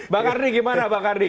pak kardi gimana pak kardi